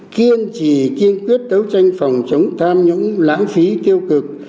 kiên trì kiên quyết đấu tranh phòng chống tham nhũng lãng phí tiêu cực